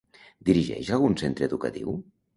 Dirigeix algun centre educatiu?